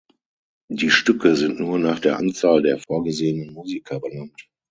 Die Stücke sind nur nach der Anzahl der vorgesehenen Musiker benannt.